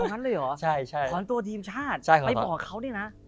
คำนั้นเลยเหรอถอนตัวทีมชาติไปบอกเขาเนี่ยนะใช่